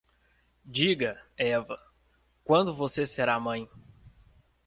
Diga, Eva, quando você será mãe?